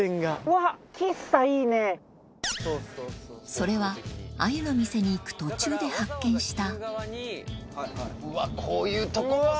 それは鮎の店に行く途中で発見した